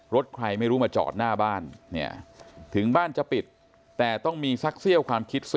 รถใครไม่รู้มาจอดหน้าบ้านเนี่ยถึงบ้านจะปิดแต่ต้องมีสักเซี่ยวความคิดสิ